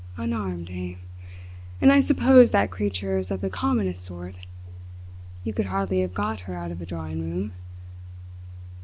Unarmed, eh? And I suppose that creature is of the commonest sort. You could hardly have got her out of a drawing room.